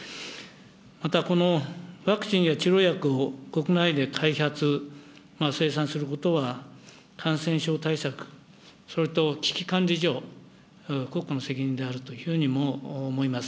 またこのワクチンや治療薬を国内で開発・生産することは、感染症対策、それと危機管理上、国家の責任であるというふうにも思います。